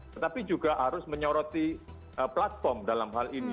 tetapi juga harus menyoroti platform dalam hal ini